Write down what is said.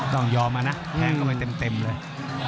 ต้องยอมมานะแทงเข้าไปเต็มเลย